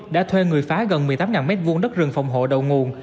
đã thuê người phá gần một mươi tám m hai đất rừng phòng hộ đầu nguồn